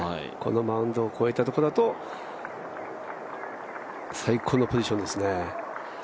このマウンドを越えたところだと最高のポジションですね。